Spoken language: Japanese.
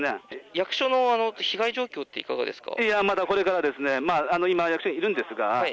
役所の被害状況っていかがですか。